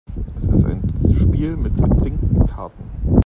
Es ist ein Spiel mit gezinkten Karten.